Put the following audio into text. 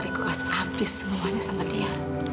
rekor asap habis semuanya sama dia